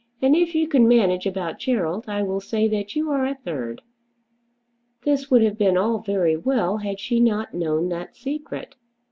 And if you can manage about Gerald I will say that you are a third." This would have been all very well had she not known that secret.